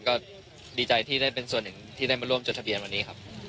ก็ดีใจที่ได้เป็นส่วนหนึ่งที่ได้มาร่วมจดทะเบียนวันนี้ครับ